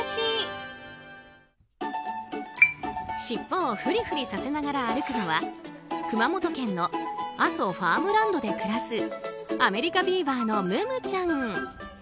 しっぽをフリフリさせながら歩くのは熊本県の阿蘇ファームランドで暮らすアメリカビーバーのムムちゃん。